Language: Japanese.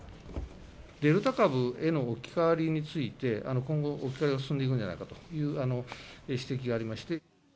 デルタ株への置き換わりについて、今後、置き換わりが進んでいくんじゃないかという指摘がありまして。